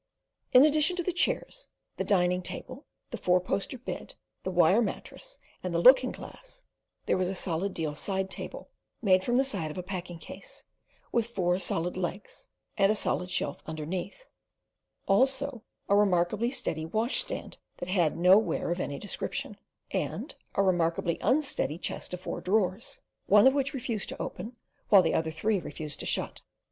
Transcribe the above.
In addition to the chairs, the dining table, the four poster bed, the wire mattress, and the looking glass, there was a solid deal side table, made from the side of a packing case, with four solid legs and a solid shelf underneath, also a remarkably steady washstand that had no ware of any description, and a remarkably unsteady chest of four drawers, one of which refused to open, while the other three refused to shut.